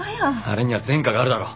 あれには前科があるだろ。